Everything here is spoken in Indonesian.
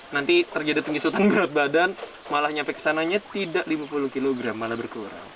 nanti terjadi penyusutan berat badan malah nyampe kesananya tidak lima puluh kg malah berkurau